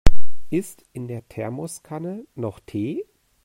Ist in der Thermoskanne noch Tee?